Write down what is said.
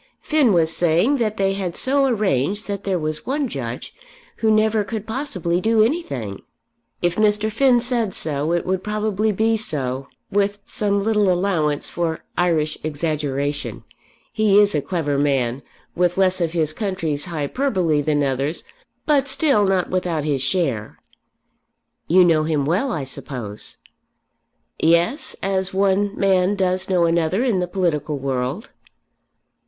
Finn was saying that they had so arranged that there was one Judge who never could possibly do anything." "If Mr. Finn said so it would probably be so, with some little allowance for Irish exaggeration. He is a clever man, with less of his country's hyperbole than others; but still not without his share." "You know him well, I suppose." "Yes; as one man does know another in the political world."